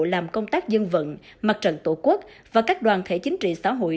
làm công tác dân vận mặt trận tổ quốc và các đoàn thể chính trị xã hội